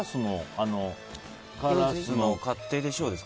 カラスの勝手でしょ、ですか？